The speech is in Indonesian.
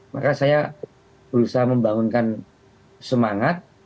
maka saya berusaha membangunkan semangat